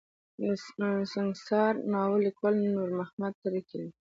د سنګسار ناول ليکوال نور محمد تره کی دی.